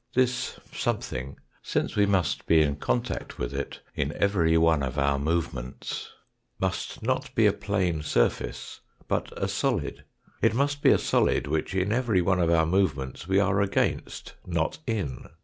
This something, since we must be in contact with it in every one of our movements, must not be a plane surface, but a solid ; it must be a solid, which in every one of our movements we are against, not in.